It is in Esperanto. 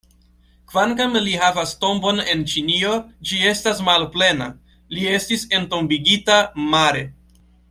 Kvankam li havas tombon en Ĉinio, ĝi estas malplena: li estis entombigita mare.